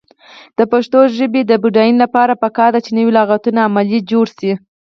د پښتو ژبې د بډاینې لپاره پکار ده چې نوي لغتونه علمي جوړ شي.